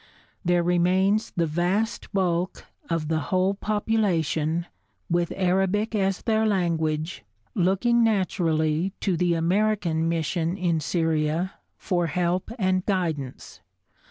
There remains the vast bulk of the whole population, with Arabic as their language, looking naturally to the American mission in Syria for help and guidance.